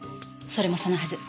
それもそのはず